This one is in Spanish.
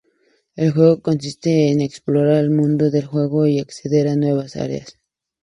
El juego consiste en explorar el mundo del juego y acceder a nuevas áreas.